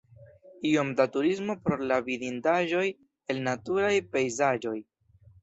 Iom da turismo pro la vidindaĵoj el naturaj pejzaĝoj.